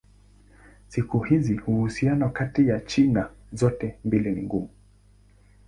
Siku hizi uhusiano kati ya China zote mbili ni mgumu.